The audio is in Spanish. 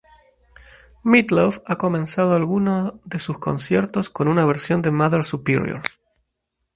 Meat Loaf ha comenzado alguno de sus conciertos con una versión de Mother Superior.